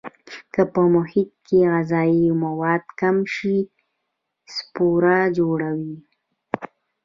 که په محیط کې غذایي مواد کم شي سپور جوړوي.